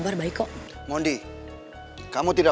sebenernya ruthi nggak memuaskan doin katanya